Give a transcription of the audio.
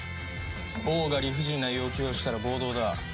王が理不尽な要求をしたら暴動だ。